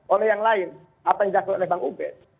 atau yang dijakut oleh bang ubed